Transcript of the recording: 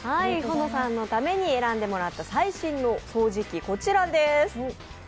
保乃さんのために選んでもらった最新の掃除機、こちらです。